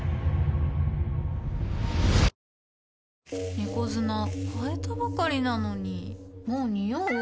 猫砂替えたばかりなのにもうニオう？